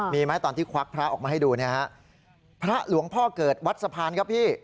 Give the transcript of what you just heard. มีไหมตอนที่ควักพระออกมาให้ดูเนี่ยฮะพระหลวงพ่อเกิดวัดสะพานครับพี่